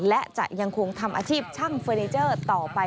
และจะยังคงทำอาชีพช่างเฟอร์นิเจอร์ต่อไป